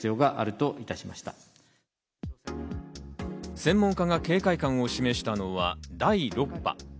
専門家が警戒感を示したのは第６波。